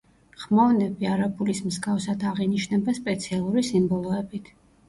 ხმოვნები არაბულის მსგავსად აღინიშნება სპეციალური სიმბოლოებით.